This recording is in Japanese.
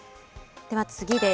では次です。